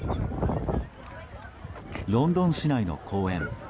ロンドン市内の公園。